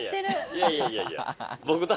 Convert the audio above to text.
いやいやいやいや！